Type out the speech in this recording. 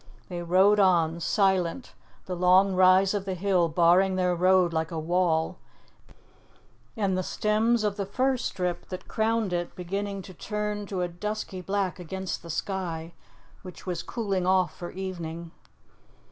They rode on, silent, the long rise of the hill barring their road like a wall, and the stems of the fir strip that crowned it beginning to turn to a dusky black against the sky, which was cooling off for evening.